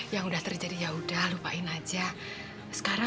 kamu tuh senangnya cari perkara